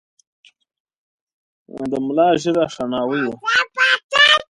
د ملا ږیره شناوۍ وه .